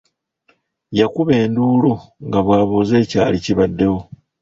Yakuba enduulu nga bw’abuuza ekyali kibaddewo.